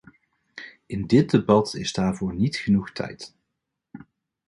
In dit debat is daarvoor niet genoeg tijd.